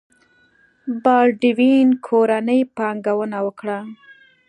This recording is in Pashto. بالډوین کورنۍ پانګونه وکړه.